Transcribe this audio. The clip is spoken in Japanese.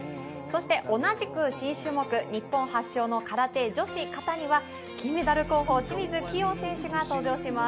同じく新種目、日本発祥の空手、女子形には金メダル候補の清水希容選手が登場します。